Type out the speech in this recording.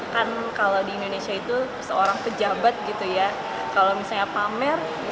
kan kalau di indonesia itu seorang pejabat gitu ya kalau misalnya pamer